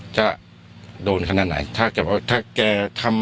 จะโดนขนาดไหนถ้าแก